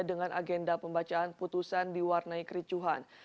dengan agenda pembacaan putusan diwarnai kericuhan